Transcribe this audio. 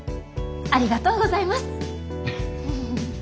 ありがとうございます。